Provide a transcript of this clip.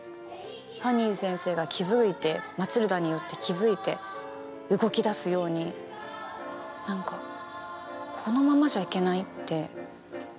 ハニー先生が気付いてマチルダによって気付いて動き出すように何かこのままじゃいけないって。